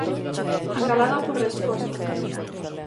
A calada por resposta.